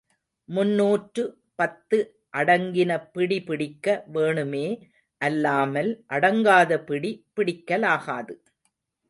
முன்னூற்று பத்து அடங்கின பிடிபிடிக்க வேணுமே அல்லாமல் அடங்காத பிடி பிடிக்கலாகாது.